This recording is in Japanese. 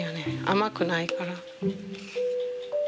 甘くないから。